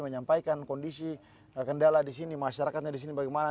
menyampaikan kondisi kendala di sini masyarakatnya di sini bagaimana